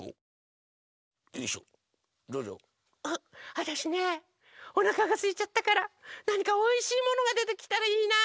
わたしねおなかがすいちゃったからなにかおいしいものがでてきたらいいな。